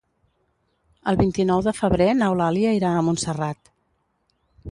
El vint-i-nou de febrer n'Eulàlia irà a Montserrat.